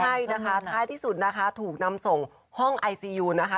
ใช่นะคะท้ายที่สุดนะคะถูกนำส่งห้องไอซียูนะคะ